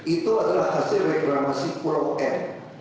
itu adalah hasil reklamasi pulau m